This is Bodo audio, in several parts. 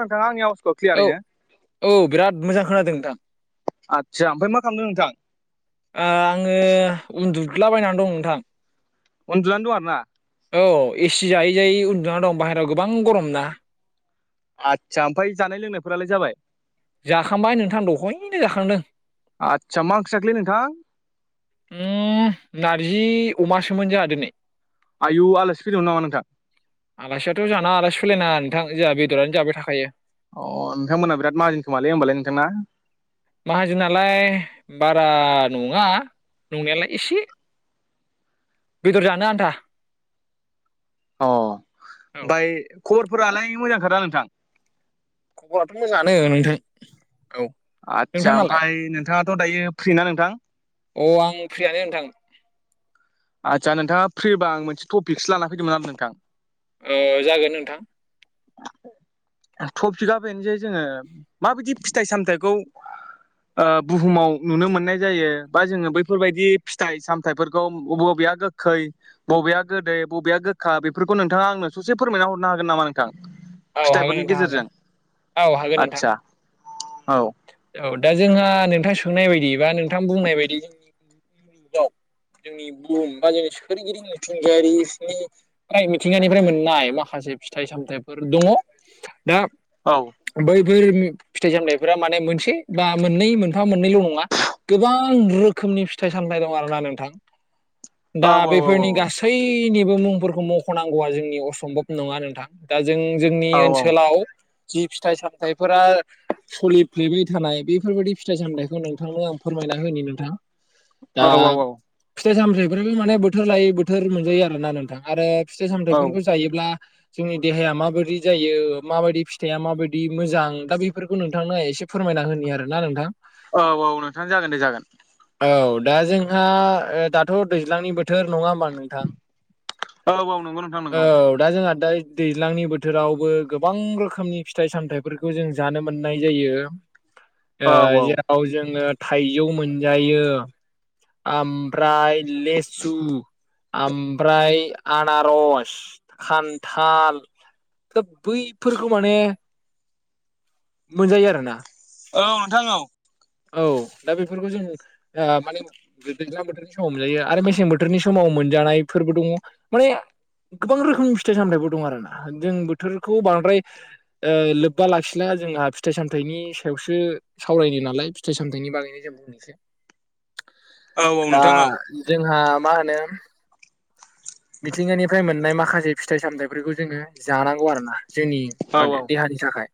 नोंथांङा आनि आवासखौ औ क्लियारैनो। औ बिराद मोजां खोनादों नोंथां। आदसा ओमफ्राय मा खालामदों नोंथां? आङो उन्दुल्दा बायनानै दं नोंथां। अनन्दुनानै दं आरो ना? औ एसि जायै जायै उन्दुना दं बाहेरायाव गोबां गरम ना। आदसा ओमफ्राय जानाय लोंनायफोरालाय जाबाय। जाखांबाय नोंथां दहयनो जाखांदों। आतसा मा ओंख्रि जाखोलै नोंथां? उम नारजि अमासोमोन जोङा दिनै। आयु आलासि फैदों नामा नोंथां। आलासियाथ' जोंहाना आलासि फोलायनाङा नोंथां जोंहा बेदरानो जाबाय थाखायो। अ नोंथांमोना बिराद माहाजोन खोमालै होनबालाय नोंथा ना? माहाजोनलाय बारा नङा नंनायालाय एसे। बेदर जानो आन्था। अ औ ओमफ्राय खबरफोरालाय मोजांखादा नोंथां। खबराथ' मोजाङानो नोंथा। औ आदसा नोंथांनालाय ओमफ्राय नोंथाङाथ' दायो फ्रि ना नोंथां। अ आं फ्रियानो नोंथां। आदसा नोंथाङा फ्रिबा आं मोनसे टपिकसो लाना फैदोंमोन आं नोंथां। ओ जागोन नोंथां। [unintelligible] टपिकआ बेनो जे जोङो माबायदि फिथाइ सामथायाइखौ ओ बुहुमाव नुनो मोननाय जायो बा जोङो बैफोरबायदि फिथाइ सामथायाइफोरखौ अबे अबेआ गोखै। बबेया गोदै बबेया गोखा बेफोरखौ नोंथाङा आंनो ससे फोरमायना हरनो हागोन नामा नोंथां? औ हागोन फिथाइफोरनि नोंथां हागोन गेजेरजों औ हागोन नोंथां आदसा औ। औ दा जोंहा नोंथां सोंनाय बायदि बा नोंथां बुंनाय बायदि औ। [inaudible] जोंनि बुहुम बा जोंनि सोरगिदिं मिथिंगायारिसिनि फ्राय मिथिंगानिफ्राय मोननाय माखासे फिथाइ सामथायाइफोर दङ दा औ। बैफोर फिथाइ सामथाइफोरा माने मोनसे बा मोननै मोनफा मोननैल' नङा। गोबां रोखोमनि फिथाइ सामथाइ दं आरोना नोंथां। [unintelligible] दा बेफोरनि औ गासैनिबो मुंफोरखौ मख'नांगौआ जोंनि असम्भब नङा नोंथां। दा जों जोंनि औ औ औ ओनसोलाव जि फिथाइ सामथाइफोरा सोलिफ्लेबाय थानाय बेफोरबायदि फिथाइ सामथाइखौ नोंथांनो आं फोरमायना होनि नोंथां। दा फिथाइ सामथाइफ्राबो माने बोथोर लायै बोथोर मोनजायो आरो ना नोंथां आरो फिथाइ औ सामथाइफोरखौ जायो जोंनि देहाया माबादि जायो माबादि फिथाइया माबायदि मोजां दा बे खौ नोंथांनो एसे फोरमायना होनि आरो ना नोंथां। औ औ नोंथां जागोन दे जागोन। औ दा जोंहा दाथ' दैज्लांनि बोथोर नङा होमबा नोंथां? औ औ नंगौ नोंथां औ नोंगौ। दा जोंहा दा दैज्लांनि बोथोरावबो गोबां रोखोमनि फिथाइ सामथाइफोरखौ जों जानो मोननाय जायो ओ औ जेराव जोङो थाइजौ मोनजायो ओमफ्राय लेसु ओमफ्राय आनारस, खान्थाल, दा बैफोरखौ माने मोनजायो आरोना। औ नोंथां औ। औ दा बेफोरखौ जों माने दैज्लां बोथोरनि समाव मोनजायो आरो मेसें बोथोरनि समाव मोनजानायफोरबो दङ माने गोबां रोखोमनि फिथाइ सामथाइबो दं आरो ना जों बोथोरखौ बांद्राय ओ लोब्बा लाखिना जोंहा फिथाइ सामथाइनि सायावसो सावरायनो नालाय फिथाइ सामथाइनि बागैनो जों बुंनोसै औ औ दा नोंथां औ जोंहा मा होनो मिथिंगानिफ्राय मोननाय माखासे फिथाइ सामथाइफोरखौ जोङो जानांगौ आरोना। जोंनि औ माने देहानि थाखाय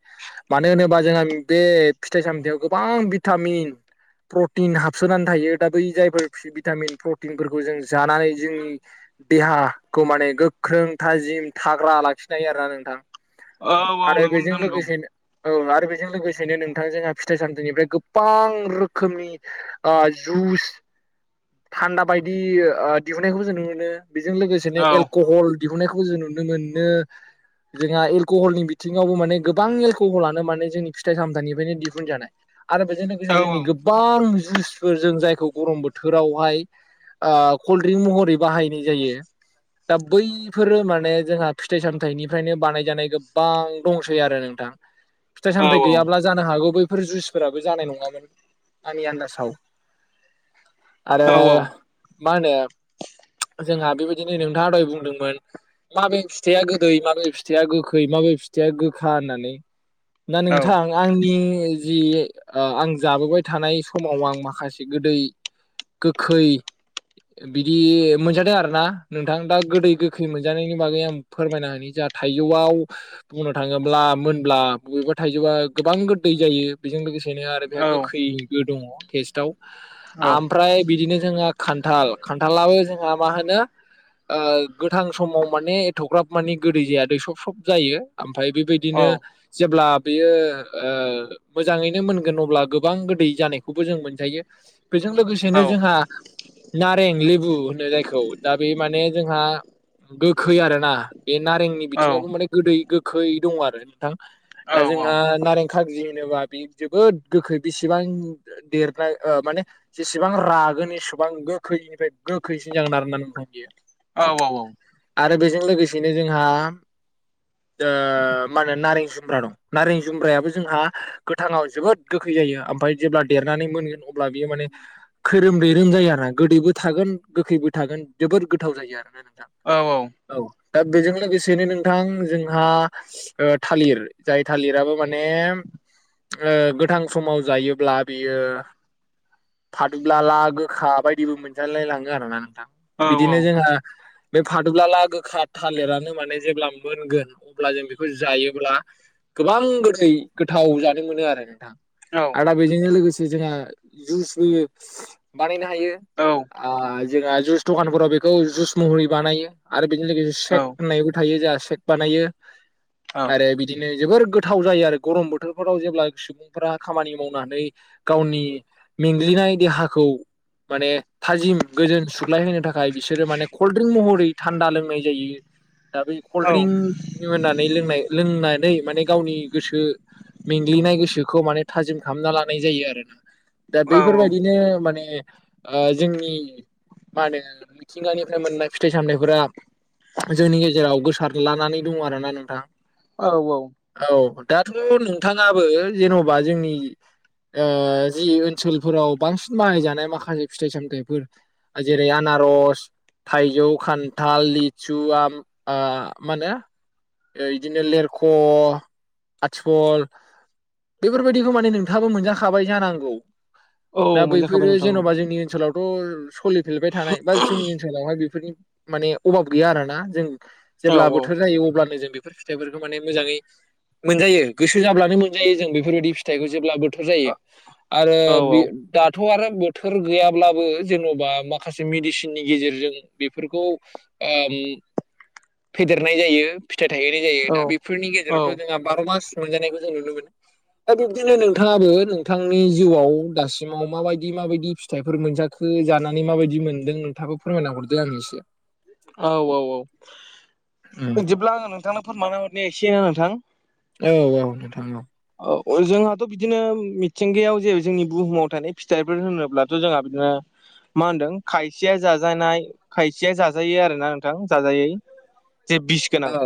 मानो होनोबा जोंहा बे फिथाइ सामथाइयाव गोबां भिटामिन प्रटिन हाबसोनानै थायो दा बै जायफोर भिटामिन प्रटिनफोरखौ जों जानानै जोंनि देहाखौ माने गोख्रों थाजिम थाग्रा लाखिनो हायो आरोना नोंथां। औ औ आरो नंगौ बेजों नोंथां नंगौ लोगोसेनो औ आरो बेजों लोगोसेनो नोंथां जोंहा फिथाइ सामथाइनिफ्राय गोबां रोखोमनि आ जुस थान्दा बायदि ओ दिहुननायखौबो जों नुनो मोनो बेजों लोगोसेनो औ एलक'हल दिहुननायखौ जों नुनो मोनो जोंहा एलक'हलनि बिथिङावबो माने गोबां एलक'हलानो माने जोंनि फिथाइ सामथाइनिफ्रायनो दिहुनजानाय। आरो बेजों औ लोगोसे जोंनि गोबां जुइसफोर जों जायखौ गरम बोथोर फोरावहाय ओ कल्ड्रिंक महरै बाहायनाय जायो। दा बैफोरो माने जोंहा फिथाइ सामथाइनिफ्रायनो बानायजानाय गोबां दंसै आरो नोंथां। [inaudible] फिथाइ सामथाइ औ गैयाब्ला जानो हागौ बैफोर जुइसफोराबो जानाय नङामोन आंनि आन्दासाव। आरो मा होनो जोंहा बेबायदिनो नोंथाङा दहाय बुंदोंमोन माबे फिथाइया गोदै माबे फिथाइया गोखै माबे फिथाइया गोखा होननानै ना नोंथां आंनि जि आं जाबोबाय थानाय समाव आं माखासे गोदै गोखै बिदि मोनजादों आरोना नोंथां। दा गोदै गोखै मोनजानायनि बागै आं फोरमायना होनि जोंहा थाइजौआव बुंनो थाङोब्ला मोनब्ला बबेबा थाइजौआ गोबां गोदै जायो बेजों लोगोसेनो आरो बेहा गोखैबो दङ टेस्टाव ओमफ्राय बिदिनो जोंहा खान्थाल खान्थालाबो जोंहा माहोनो ओ गोथां समाव माने एथ'ग्राब माने गोदै जाया दै सब सब जायो ओमफ्राय औ बेबायदिनो जेब्ला बेयो ओ मोजाङैनो मोनगोन अब्ला गोबां गोदै जानायखौबो जों मोनजायो बेजों लोगोसे औ जोंहा नारें लेबु होनो जायखौ दा बे माने जोंहा गोखै आरोना बे नारेंनि औ बिथिङावबो माने गोदै, गोखै दङ आरो नोंथां दा जोंहा नारें खाजि होनोबा बे जोबोद गोखै बेसेबां देरनाय माने जेसेबां रागोन एसेबां गोखैनिफ्राय गोखैसिन जागोन आरोना नोंथां बियो औ औ औ आरो बेजों लोगोसेनो जोंहा ओ मा होनो नारें जुमब्रा दं नारें जुमब्रायाबो जोंहा गोथाङाव जोबोद गोखै जायो ओमफ्राय जेब्ला देरनानै मोनगोन अब्ला बियो माने खैरोमदैरोम जायो आरोना गोदैबो थागोन गोखैबो थागोन जोबोद गोथाव जायो आरोना नोंथां औ औ औ दा बेजों लोगोसेनो नोंथां जोंहा थालिर जाय थालिराबो माने ओ गोथां समाव जायोब्ला बियो फादुबलाला गोखा बायदिबो मोनजालायलाङो आरोना नोंथां बिदिनो जोंहा बे फादोबलाला गोखा थालिरानो माने जेब्ला मोनगोन अब्ला जों बेखौ जायोब्ला गोबां गोदै गोथाव जानो मोनो आरो नोंथां औ आरोदा बेजोंनो लोगोसे जोंहा जुस होयो बानायनो हायो जोंहा जुइस दखानफोराव बेखौ जुइस महरै बानायो आरो बेजों लोगोसे औ सेक होननायबो थायो जाहा सेक बानायो आरो बिद बिदिनो जोबोर गोथाव जायो आरो गरम बोथोरफोराव जेब्ला सुबुंफोरा खामानि मावनानै गावनि मेंग्लिनाय देहाखौ माने थाजिम गोजोन सुग्लाय होनो थाखाय बिसोरो माने कल्ड्रिंक महरै थान्दा लोंनाय जायो दा बे कल्डड्रिंक होननानै लोंनाय लोंनानै माने गावनि गोसो मेंग्लिनाय गोसोखौ माने थाजिम खालामना लानाय जायो आरोना दा औ बेफोरबायदि बिनो माने ओ जोंनि मा होनो मिथिंगानिफ्राय मोननाय फिथाइ सामथाइफोरा जोंनि गेजेराव गोसार लानानै दङ आरोना नोंथां औ औ औ दाथ' नोंथाङाबो जेन'बा जोंनि जि ओनसोलफोराव बांसिन बाहाय जानाय माखासे फिथाइ सामथाइफोर ओ जेरै आनार'स थाइजौ, खान्थाल, लिसु आम माहोनो बिदिनो लेरख', आथिकल बेफोरबायदिखौ माने नोंथाङाबो मोनजाखाबाय जानांगौ औ दा मोनजाखाबाय बैफोरो नोंथां औ जेन'बा जोंनि ओनसोलावथ' सोलिफेरबाय थानाय बा जोंनि जोंनावहाय बेफोरनि माने अभाब गैया आरोना जों औ जेब्ला बोथोर जायो अब्लानो जों बेफोर फिथाइफोरखौ माने मोजाङै मोनजायो गोसो जाब्लानो मोनजायो जों बेफोरबायदि फिथाइखौ जेब्ला बो थोर जायो आरो औ बे दाथ' आरो बोथोर गैयाब्लाबो जेन'बा माखासे मेडिसिननि गेजेरजों बेफोरखौ ओम फेदेरनाय जायो फिथाइ थायहोनाय जायो दा बेफोरनि औ गेजेरावथ' जोंहा बार' मास मोनजानायखौ जों नुनो मोनो दा बिब्दिनो नोंथाङाबो नोंथांनि जिउआव दासिम सिमाव माबायदि माबायदि फिथाइफोर मोनजाखो जानानै माबायदि मोनदों नोंथाबो फोरमायना हरदो आरो एसे औ औ औ उम बिदिब्ला आङो नोंथांनो फोरमाना हरनाया एसेनो नोंथां औ औ नोंथां औ औ जोंहाथ' बिदिनो मिथिंगायाव जे जोंनि बुहुमाव थानाय फिथाइफोर होनोब्लाथ' जोंहा बिदिनो मा होनदों खायसेया जाजानाय खायसेया जाजायो आरो ना नोंथां जाजायै जे बिस गोनां औ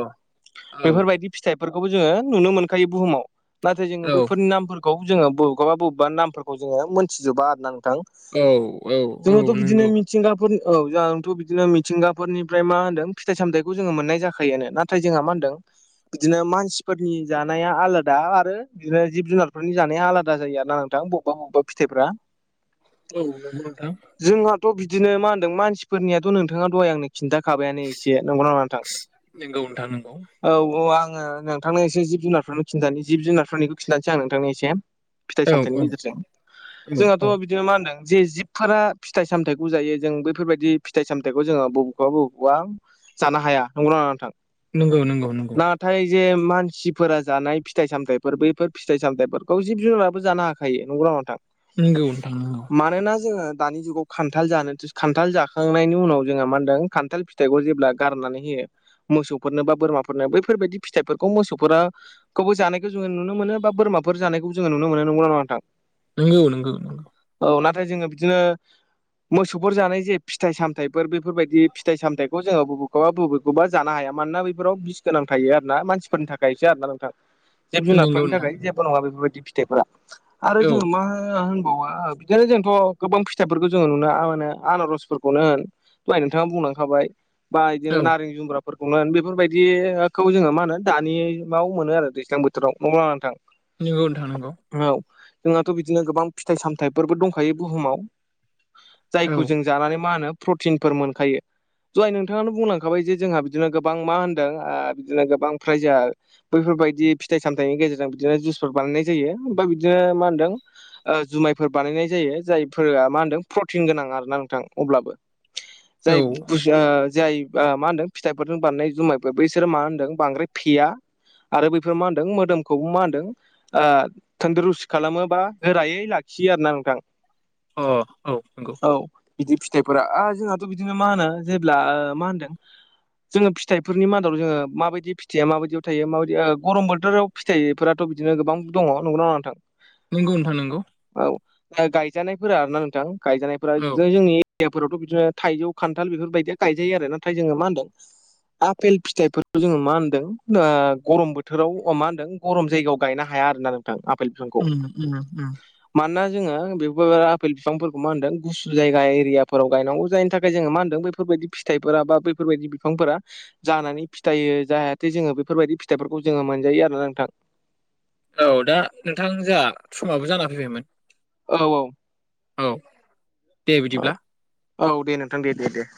औ बेफोरबायदि फिथाइफोरखौबो जोङो नुनो मोनखायो बुहुमाव नाथाय जोङो औ बैफोरनि नामफोरखौ जोङो बबेखौबा बबेबा नामफोरखौ जोङो मोनथिजोबा आरो ना नोंथां औ औ औ नोंगौ मिथिंगाफोरनि औ जाथ' बिदिनो मिथिंगाफोरनिफ्राय मा होनदों फिथाइ सामथायखौ जोङो मोननाय जाखायोनो ना नाथाय जोंहा मा होनदों बिदिनो मानसिफोरनि जानाया आलादा आरो बो बिदिनो जिब जुनारफोरनि जानाया आलादा जायो आरो ना नोंथां बबेबा बबेबा फिथायफ्रा औ नंगौ नोंथां जोंहाथ' बिदिनो मा होनदों मानसिफोरनियाथ' नोंथाङा दहाय आंनो खिन्थाखाबायानो एसे नंगौना नङा नोंथां? नोंगौ नोंथां नोंगौ औ औ आङो नोंथांनो एसे जिब जुनारफोरनि खिन्थानो जिब जुनारफोरनिखौ खिन्थानोसै आं नोंथांनो एसे फिथाइ औ सामथाइनि औ गेजेरजों औ जोंहाथ' औ बिद बिदि मा होनदों जे जिबफोरा फिथाइ सामथाइखौ जायो जों बैफोरबायदि फिथाइ सामथाइखौ जोङो बबेखौबा बबेखौबा जानो हाया नंगौ ना नङा नोंथां? नोंगौ नोंगौ नोंगौ नाथाय जे मानसिफोरा जानाय फिथ फिथाइ सामथायाइफोर बैफोर फिथाइ सामथायाइफोरखौ जिब जुनाराबो जानो हाखायो नोंगौ ना नङा नोंथां? नोंगौ नोंथां नोंगौ मानोना जोङो दानि जुगाव खान्थाल जानो खान्थाल जाखांनायनि उनाव जोंहा मा होनदों खान्थाल फिथ फिथाइखौ जेब्ला गारनानै होयो मोसौफोरनो बा बोरमाफोरनो बैफोरबायदि फिथाइफोरखौ मोसौफोरा खौबो जानायखौ जोङो नुनो मोनो बा बोरमाफोर जानायखौबो जोङो नुनो मोनो नंगौ ना नङा नोंथां? नोंगौ नोंगौ औ नाथाय जोङो बिदिनो मोसौफोर जानाय जे फिथाइ सामथायाइफोर बेफोरबायदि फिथाइ सामथायाइखौ जोङो बुबुखौबा बुबुब बबेबा जानो हाया मानोना बैफोराव बिस गोनां थायो आरो ना मानसिफोरनि थाखायसो आरो ना नोंथां जिब नंगौ नंगौ जुनारफोरनि नोंथां थाखाय जेबो नङा बेफोरबायदि फिथाइफोरा आरो औ जोङो मा होनबावो बिदिनो जोंथ' गोबां फिथाइफोरखौ जोङो नुनो आनो आनारस फोरखौनो होन दहाय नोंथाङा बुंलांखाबाय बा इदिनो औ नारें जुम्ब्राफोरखौनो बेफोरबायदिखौ जोङो मा होनो दानियाव मोनो आरो दैज्लां बोथोराव [unintelligible] नोंथां निगौ नोंथां नोंगौ औ जोंहाथ' बिदिनो गोबां फिथाइ सामथाइफोरबो दंखायो बुहुमाव औ जायखौ जों जानानै मा होनो प्रटिनफोर मोनखायो दहाय नोंथाङानो बुंलांखाबाय जे जोंहा बिदिनो गोबां मा होनदों ओ बिदिनो गोबां प्राय जोआ बैफोरबायदि फिथाइ सामथाइनि गेजेरजों बिदिनो जुसफोर बानायनाय जायो ओमफ्राय बिदिनो मा होनदों ओ जुमायफोर बानायनाय जायो जायफोरा मा होनदों प्रटिन गोनां आरो ना नोंथां अब्लाबो औ जाय बुस ओ जाय बा मा होनदों फिथाइफोरजों बानायनाय जुमायफोर बैसोरो मा होनदों बांद्राय फेया आरो बैफोर मा होनदों मोदोमखौबो मा होनदों ओ थोनदुरुस खालामोबा गोरायै लाखियो आरो ना नोंथां अ औ नंगौ औ बिदि फिथाइफोरा जोंहाथ' बिदिनो मा होनो जेब्ला मा होनदों जोङो फिथाइफोरनि मादाव जोङो माबायदि फिथाइया माबायदियाव थायो माबायदि ओ गरम बोथोराव फिथायाइफोराथ' बिदिनो गोबां दङ नंगौ ना नङा नोंथां नोंगौ नोंथां नोंगौ औ दा गायजानायफोरा आरोना नोंथां गायजानायफोरा औ जोंनि याफोरावथ' बिदिनो थाइजौ खान्थाल बेफोरबायदिया गायजायो आरो नाथाय जोङो मा होनदों आपेल फिथाइफोरखौ जोङो मा होनदों ओ गरम बोथ बोथोराव मा होनदों गरम जायगायाव गायनो हाया आरोोना नोंथां आफेल बिफांखौ। उम उम उम मानोना जोङो बेफोर आफेल बिफांफोरखौ मा होनदों गुसु जायगा एरियाफोराव गायनांगौ जायनि थाखाय जोङो मा होनदों बे बेफोरबायाददि फिथाइफोरा बा बेैफोरबायदि बिफांफोरा जानानै फिथायो जाहाथे जोङो बेफोरबायदि फिथाइफोरखौ जोङो मोनजायो आरो नोंथां। औ दा नोंथां जाोंहा समाबो जाना फैबायमोन? औ-औ औ दे बिदिब्ला? औ दे नोंथां दे-दे-दे।